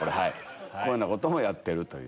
こういうこともやってるという。